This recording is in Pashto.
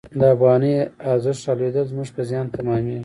د افغانۍ ارزښت رالوېدل زموږ په زیان تمامیږي.